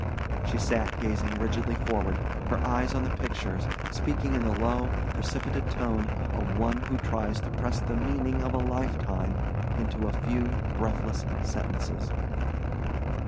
She sat gazing rigidly forward, her eyes on the pictures, speaking in the low precipitate tone of one who tries to press the meaning of a lifetime into a few breathless sentences.